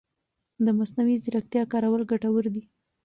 د مصنوعي ځېرکتیا کارول ګټور دي.